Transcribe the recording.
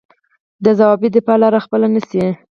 د ځوابي دفاع لاره خپله نه شي.